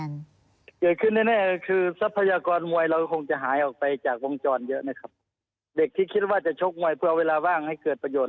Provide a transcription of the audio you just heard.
เกิดขึ้นแน่แน่คือทรัพยากรมวยเราคงจะหายออกไปจากวงจรเยอะนะครับเด็กที่คิดว่าจะชกมวยเพื่อเวลาว่างให้เกิดประโยชน